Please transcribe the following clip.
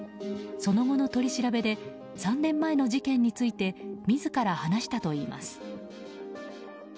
その後の取り調べで３年前の事件について自ら話したといいます。